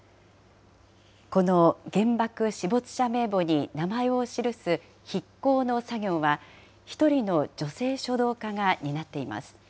この原爆死没者名簿に名前を記す筆耕の作業は、１人の女性書道家が担っています。